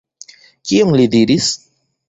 Kion li diris?